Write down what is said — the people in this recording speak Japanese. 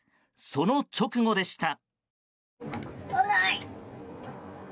その直後でした。